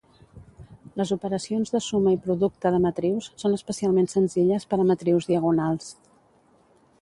Les operacions de suma i producte de matrius són especialment senzilles per a matrius diagonals.